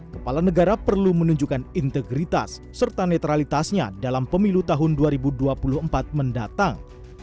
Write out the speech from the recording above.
kepala negara perlu menunjukkan integritas serta netralitasnya dalam pemilu tahun dua ribu dua puluh empat mendatang